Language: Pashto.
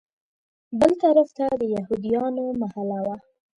بل طرف ته د یهودیانو محله وه.